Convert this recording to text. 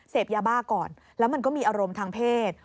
ยาบ้าก่อนแล้วมันก็มีอารมณ์ทางเพศ